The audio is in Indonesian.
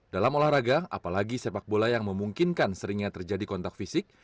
dalam olahraga apalagi sepak bola yang memungkinkan seringnya terjadi kontak fisik